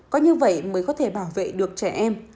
có như vậy mới có thể bảo vệ được trẻ em